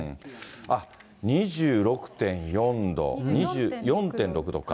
２６．４度、２４．６度か。